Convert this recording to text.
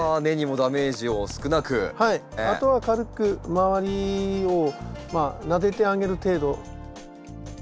あとは軽く周りをまあなでてあげる程度。